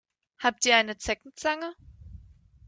Habt ihr eine Zeckenzange?